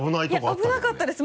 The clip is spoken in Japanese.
いや危なかったです